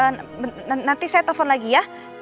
nanti saya telepon lagi ya